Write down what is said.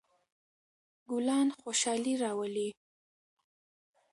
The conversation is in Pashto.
ګلان خوشحالي راولي.